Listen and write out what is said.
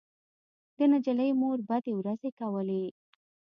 د نجلۍ مور بدې ورځې کولې